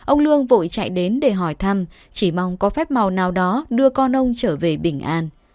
ông lương vội chạy đến để hỏi thăm chỉ mong có phép màu nào đó đưa con ông trở về bình an